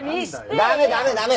ダメダメダメ。